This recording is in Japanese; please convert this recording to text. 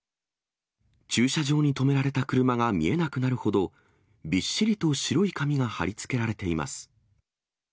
駐車場に止められた車が見えなくなるほど、びっしりと白い紙が貼り付けられています。